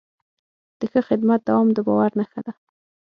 د ښه خدمت دوام د باور نښه ده.